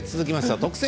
「特選！